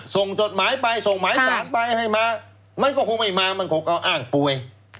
จดหมายไปส่งหมายสารไปให้มามันก็คงไม่มามันคงเอาอ้างป่วย